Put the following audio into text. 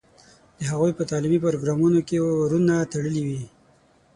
د هغوی په تعلیمي پروګرامونو کې ورونه تړلي وي.